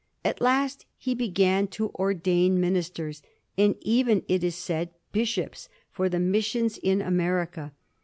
At last he began to ordain ministers, and even, it is said, bishops, for the missions in America.